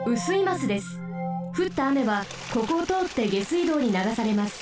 ふったあめはここをとおって下水道にながされます。